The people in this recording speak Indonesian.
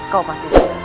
kau pasti bisa